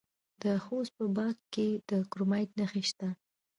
د خوست په باک کې د کرومایټ نښې شته.